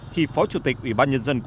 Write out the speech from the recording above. khi phó chủ tịch ủy ban nhân dân tp hcm